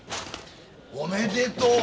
おめでとう。